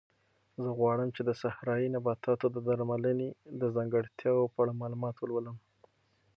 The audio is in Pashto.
زه غواړم چې د صحرایي نباتاتو د درملنې د ځانګړتیاوو په اړه معلومات ولولم.